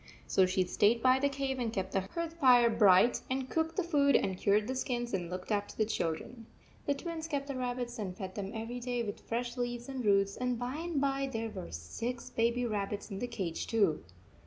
So she stayed by the cave and kept the hearth fire bright and cooked the food and cured the skins and looked after the children. The Twins kept the rabbits and fed them every day with fresh leaves and roots, and by and by there were six baby rabbits in the cage too.